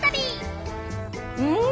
うん！